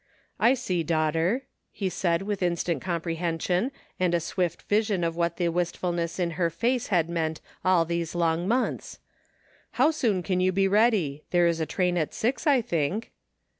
"I see, daughter," he said with instant compre hension and a swift vision of what the wistfulness in her face had meant all these long months. '^ How soon can you be ready ? There is a train at six, I think."